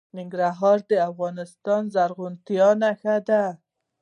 ننګرهار د افغانستان د زرغونتیا نښه ده.